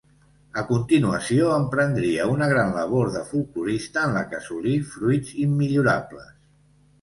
A continuació emprendria una gran labor de folklorista, en la que assolí fruits immillorables.